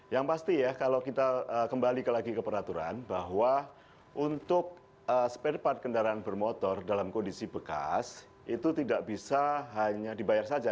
yang pasti ya kalau kita kembali lagi ke peraturan bahwa untuk spare part kendaraan bermotor dalam kondisi bekas itu tidak bisa hanya dibayar saja